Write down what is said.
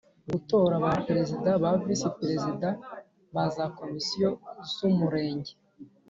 gutora ba perezida na ba visi perezida ba za komisiyo z umurenge